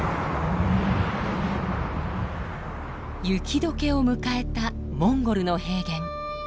雪解けを迎えたモンゴルの平原。